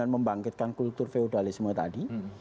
membangkitkan kultur feudalisme tadi